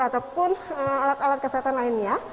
ataupun alat alat kesehatan lainnya